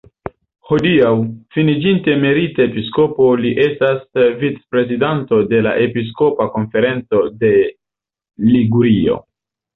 Hodiaŭ, fariĝinte emerita episkopo, li estas vicprezidanto de la "Episkopa konferenco de Ligurio".